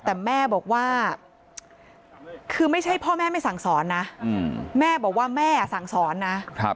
แต่แม่บอกว่าคือไม่ใช่พ่อแม่ไม่สั่งสอนนะแม่บอกว่าแม่สั่งสอนนะ